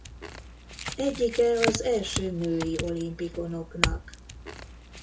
Egyike az első női olimpikonoknak.